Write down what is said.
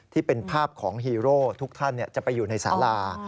ที่เป็นภาพของฮีโร่ทุกท่านจะไปอยู่ในสารา